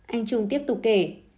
anh trung tiếp tục kể